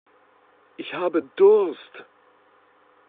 Ich habe Durst.